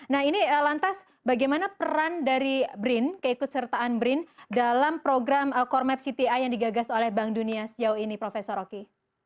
nah ini lantas bagaimana peran dari brin keikutsertaan brin dalam program cormap cti yang digagas oleh bank dunia sejauh ini prof rocky